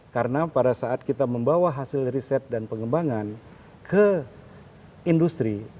karena pada saat kita membawa hasil riset dan pengembangan ke industri